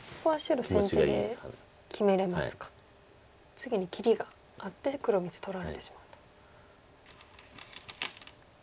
次に切りがあって黒３つ取られてしまうと。